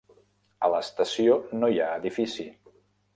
A l'estació no hi ha edifici.